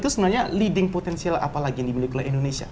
sebenarnya leading potential apa lagi yang dimiliki indonesia